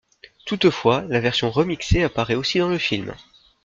Toutefois, la version remixée apparaît aussi dans le film.